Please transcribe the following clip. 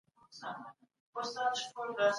تا په هغه سخته ورځ کي مرسته وکړه.